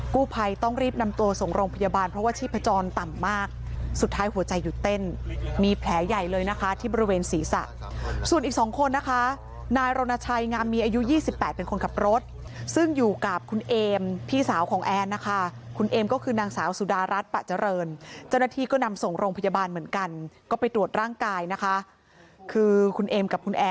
กู้ภัยต้องรีบนำตัวส่งโรงพยาบาลเพราะว่าชีพจรต่ำมากสุดท้ายหัวใจหยุดเต้นมีแผลใหญ่เลยนะคะที่บริเวณศีรษะส่วนอีกสองคนนะคะนายรณชัยงามมีอายุ๒๘เป็นคนขับรถซึ่งอยู่กับคุณเอมพี่สาวของแอนนะคะคุณเอมก็คือนางสาวสุดารัฐปะเจริญเจ้าหน้าที่ก็นำส่งโรงพยาบาลเหมือนกันก็ไปตรวจร่างกายนะคะคือคุณเอมกับคุณแอ